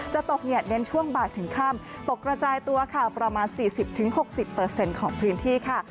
จะตกเน้นช่วงบ่ายถึงค่ำตกกระจายตัวค่ะประมาณ๔๐๖๐ของพื้นที่ค่ะ